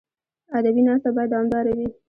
ادبي ناسته باید دوامداره وي.